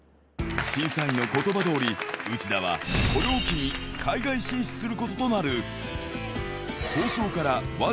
審査員のことばどおり、内田はこれを機に、海外進出することとなる。